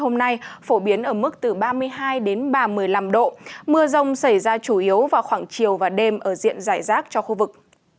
mưa rông xảy ra chủ yếu vào khoảng chiều và đêm ở diện giải rác cho khu vực